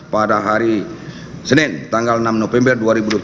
pada hari senin tanggal enam november dua ribu dua puluh